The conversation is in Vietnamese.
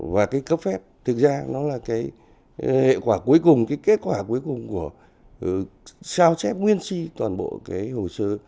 và cái cấp phép thực ra nó là cái kết quả cuối cùng của sao chép nguyên si toàn bộ cái hồ sơ